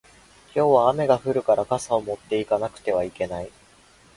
今日は雨が降るから傘を持って行かなくてはいけない